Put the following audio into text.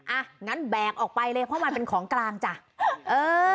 อ่ะงั้นแบกออกไปเลยเพราะมันเป็นของกลางจ้ะเออ